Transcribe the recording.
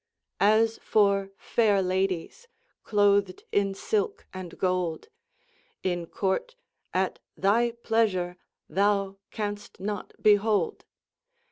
As for fayre ladies, clothed in silke and golde, In court at thy pleasour thou canst not beholde.